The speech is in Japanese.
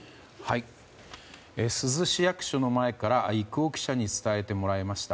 珠洲市役所前から幾老記者に伝えてもらいました。